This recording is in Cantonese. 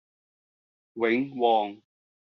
永旺